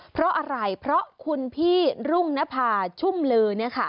เพราะอะไรเพราะคุณพี่รุ่งนภาชุ่มลือ